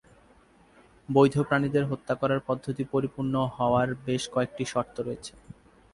বৈধ প্রাণীদের হত্যা করার পদ্ধতি পরিপূর্ণ হওয়ার বেশ কয়েকটি শর্ত রয়েছে।